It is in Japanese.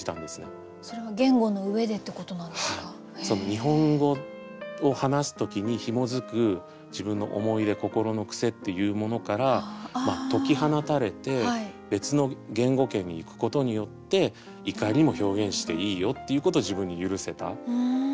日本語を話す時にひもづく自分の思い出心の癖っていうものから解き放たれて別の言語圏に行くことによって怒りも表現していいよっていうことを自分に許せた。